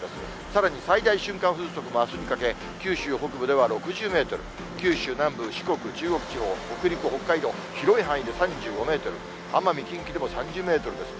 さらに最大瞬間風速もあすにかけ、九州北部では６０メートル、九州南部、四国、中国地方、北陸、北海道、広い範囲で３５メートル、奄美、近畿でも３０メートルです。